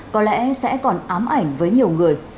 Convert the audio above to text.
có lẽ sẽ còn ám ảnh với nhiều người